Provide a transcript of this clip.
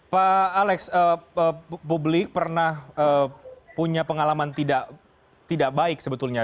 pak alex publik pernah punya pengalaman tidak baik sebetulnya